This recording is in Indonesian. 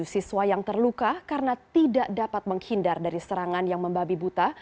dua puluh siswa yang terluka karena tidak dapat menghindar dari serangan yang membabi buta